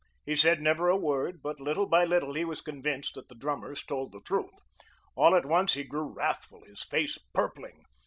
He said never a word, but little by little he was convinced that the drummers told the truth. All at once he grew wrathful, his face purpling.